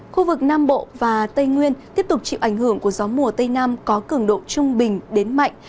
khu vực nam bộ và tây nguyên tiếp tục chịu ảnh hưởng của gió mùa tây nam có cường độ trung bình đến mạnh